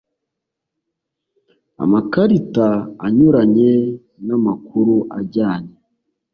amakarita anyuranye n amakuru ajyanye